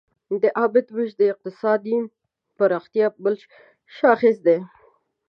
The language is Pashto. د عاید ویش د اقتصادي پراختیا بل شاخص دی.